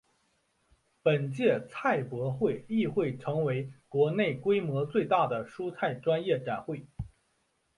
本届菜博会亦成为国内规模最大的蔬菜专业展会。